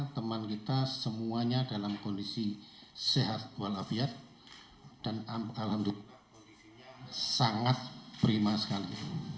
teman kita semuanya dalam kondisi sehat walafiat dan alhamdulillah kondisinya sangat prima sekali